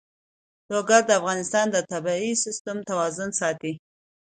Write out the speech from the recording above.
لوگر د افغانستان د طبعي سیسټم توازن ساتي.